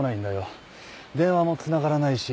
電話もつながらないし。